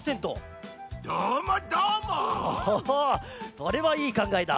それはいいかんがえだ。